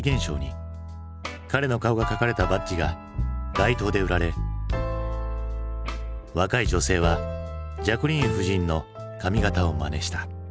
彼の顔が描かれたバッジが街頭で売られ若い女性はジャクリーン夫人の髪形をまねした。